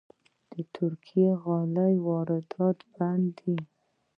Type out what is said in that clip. د ترکي غالیو واردات بند دي؟